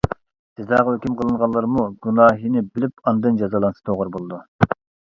جازاغا ھۆكۈم قىلىنغانلارمۇ گۇناھىنى بىلىپ ئاندىن جازالانسا توغرا بولىدۇ.